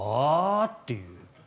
っていう。